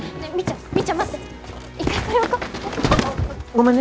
ごめんね。